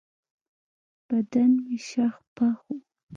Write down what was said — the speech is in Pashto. بدن مې شخ پخ و.